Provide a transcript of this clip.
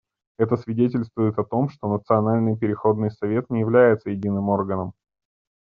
Это свидетельствует о том, что Национальный переходный совет не является единым органом.